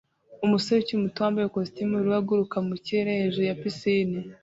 Umusore ukiri muto wambaye ikositimu yubururu aguruka mu kirere hejuru ya pisine